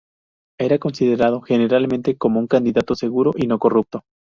Era considerado generalmente como un candidato seguro y no corrupto.